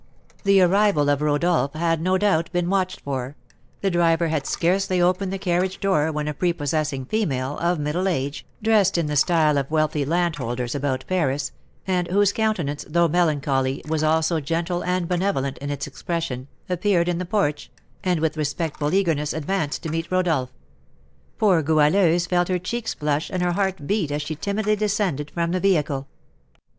The arrival of Rodolph had, no doubt, been watched for; the driver had scarcely opened the carriage door when a prepossessing female, of middle age, dressed in the style of wealthy landholders about Paris, and whose countenance, though melancholy, was also gentle and benevolent in its expression, appeared in the porch, and with respectful eagerness advanced to meet Rodolph. Poor Goualeuse felt her cheeks flush and her heart beat as she timidly descended from the vehicle.